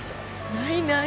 ないない。